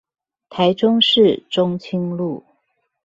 台中市中清路